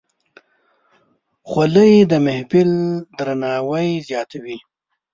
خولۍ د محفل درناوی زیاتوي.